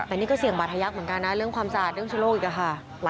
แต่นี่ก็เสี่ยงบัตรใหญักเหมือนกันนะเรื่องความสะอาดเรื่องชีวโลกิกค่ะ